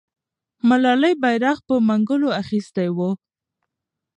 ملالۍ بیرغ په منګولو اخیستی وو.